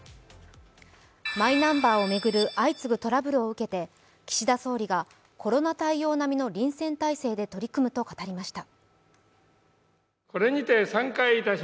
マイナンバーを巡る相次ぐトラブルを受けて岸田総理がコロナ対応並みの臨戦態勢で取り組むと語りました。